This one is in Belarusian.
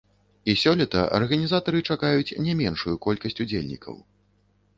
І сёлета арганізатары чакаюць не меншую колькасць удзельнікаў.